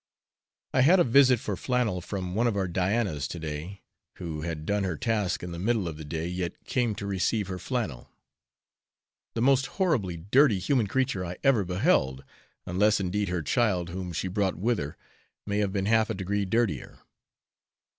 I had a visit for flannel from one of our Dianas to day, who had done her task in the middle of the day, yet came to receive her flannel, the most horribly dirty human creature I ever beheld, unless indeed her child, whom she brought with her, may have been half a degree dirtier.